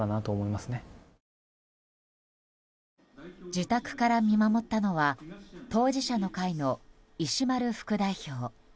自宅から見守ったのは当事者の会の、石丸副代表。